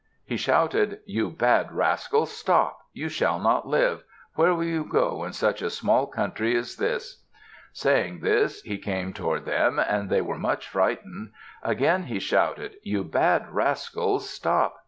He shouted, "You bad rascals, stop! You shall not live! Where will you go in such a small country as this?" Saying this he came toward them and they were much frightened. Again he shouted, "You bad rascals, stop!